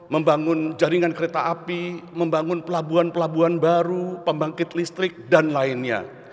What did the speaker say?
membangun jaringan kereta api membangun pelabuhan pelabuhan baru pembangkit listrik dan lainnya